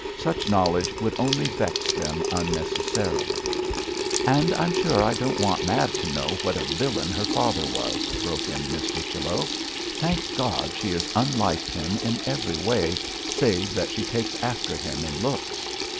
Such knowledge would only vex them unnecessarily.' 'And I'm sure I don't want Mab to know what a villain her father was,' broke in Miss Whichello. 'Thank God she is unlike him in every way, save that she takes after him in looks.